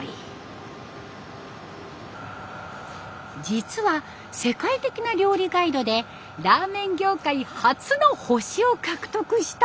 実は世界的な料理ガイドでラーメン業界初の星を獲得した店。